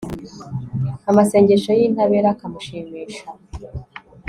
amasengesho y'intabera akamushimisha